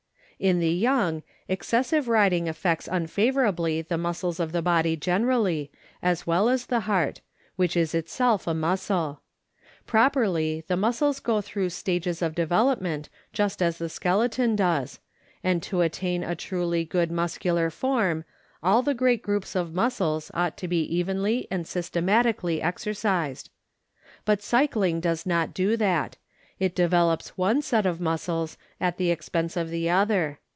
In the young, excessive riding affects unfavorably the muscles of the body generally, as well as the heart, which is itself a muscle. Properly, the muscles go through stages of develop ment just as the skeleton does, and to attain a truly good mus cular form all the great groups of muscles ought to be evenly WHAT TO AVOID IN CYCLING. 181 and systematically exercised. But cycling does not do that ; it develops one set of muscles at the expense of the other.